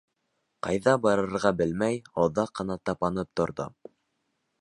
Ҡайҙа барырға белмәй, оҙаҡ ҡына тапанып торҙо.